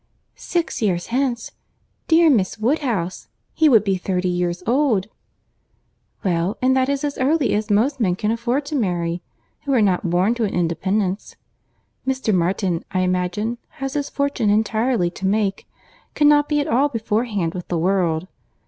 "Six years hence! Dear Miss Woodhouse, he would be thirty years old!" "Well, and that is as early as most men can afford to marry, who are not born to an independence. Mr. Martin, I imagine, has his fortune entirely to make—cannot be at all beforehand with the world.